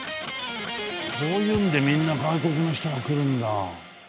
こういうのでみんな外国の人が来るんだ。